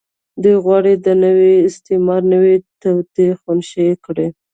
دوی غواړي د نوي استعمار نوې توطيې خنثی کړي.